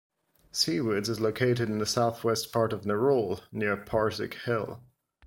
Seawoods is located in the south west part of Nerul, near Parsik Hill.